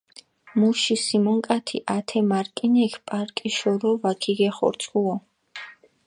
მუში სიმონკათი ათე მარკინექ პარკიშორო ვაქიგეხორცქუო.